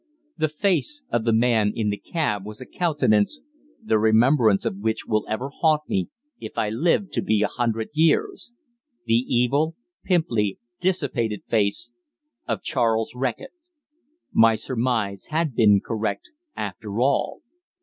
The face of the man in the cab was a countenance the remembrance of which will ever haunt me if I live to be a hundred years the evil, pimply, dissipated face of Charles Reckitt! My surmise had been correct, after all.